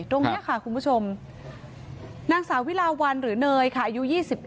ตรงนี้ค่ะคุณผู้ชมนางสาวิลาวันหรือเนยค่ะอายุ๒๙